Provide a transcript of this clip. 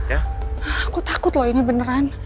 aku takut loh ini beneran